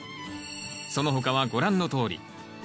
その他はご覧のとおり。